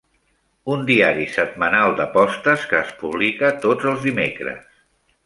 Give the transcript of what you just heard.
Un diari setmanal d'apostes que es publica tots els dimecres.